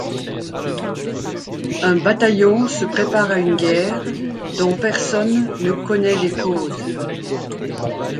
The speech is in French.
Un bataillon se prépare à une guerre dont personne ne connaît les causes.